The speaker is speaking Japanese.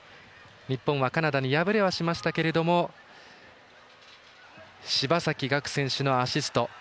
日本はカナダに敗れはしましたけれども柴崎岳選手のアシスト。